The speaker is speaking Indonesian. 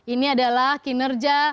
ini adalah kinerja